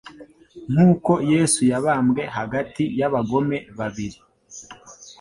Nk'uko Yesu yabambwe hagati y'abagome babiri,